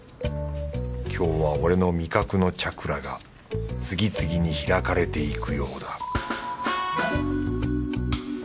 今日は俺の味覚のチャクラが次々に開かれていくようだ